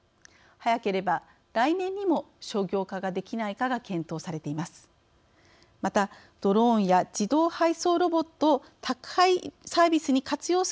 早ければ来年にも商業化ができないかが検討されています。